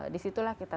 di situlah kita